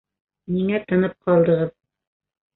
Ниңә тынып ҡалдығыҙ?